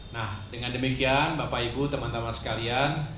nah dengan demikian bapak ibu teman teman sekalian